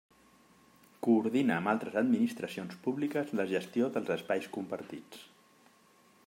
Coordina amb altres administracions públiques la gestió dels espais compartits.